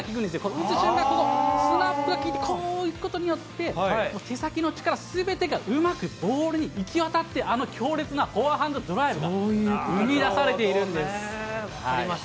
打つ瞬間に、このスナップが効いてこういくことによって、手先の力すべてがうまくボールに行き渡って、あの強烈なフォアハンドが、ドライブが生み出されているんでなるほどね、分かりました。